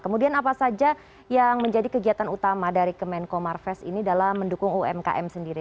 kemudian apa saja yang menjadi kegiatan utama dari kemenko marves ini dalam mendukung umkm sendiri